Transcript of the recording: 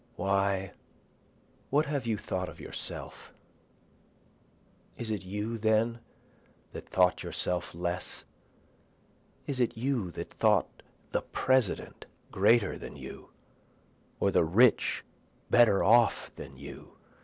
Why what have you thought of yourself? Is it you then that thought yourself less? Is it you that thought the President greater than you? Or the rich better off than you?